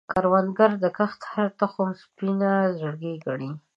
کروندګر د کښت هره تخم سپینه زړګی ګڼي